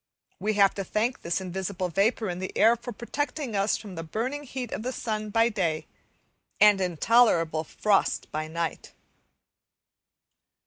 We have to thank this invisible vapour in the air for protecting us from the burning heat of the sun by day and intolerable frost by night.